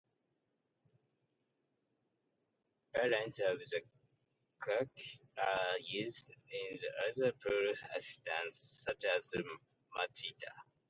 Variants of the CoC are used in other proof assistants, such as Matita.